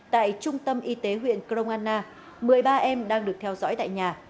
tại trung tâm y tế huyện crong anna một mươi ba em đang được theo dõi tại nhà